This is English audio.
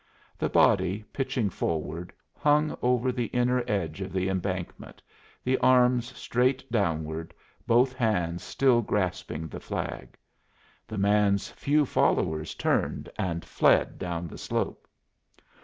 The body, pitching forward, hung over the inner edge of the embankment, the arms straight downward, both hands still grasping the flag. The man's few followers turned and fled down the slope.